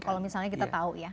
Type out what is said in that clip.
kalau misalnya kita tahu ya